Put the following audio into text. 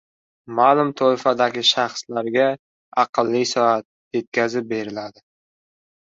Ma’lum toifadagi shaxslarga “Aqlli soat” yetkazib beriladi